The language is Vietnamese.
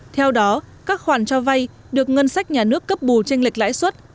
theo đó các khoản cho vay được ngân sách nhà nước cấp bù tranh lệch lãi suất